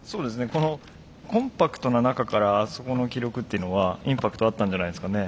このコンパクトな中からあそこの記録っていうのはインパクトあったんじゃないですかね。